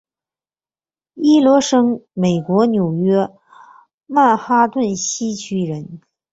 伊罗生美国纽约曼哈顿西区人。